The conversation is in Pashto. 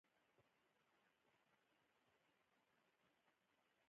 هغوی د خوښ څپو لاندې د مینې ژورې خبرې وکړې.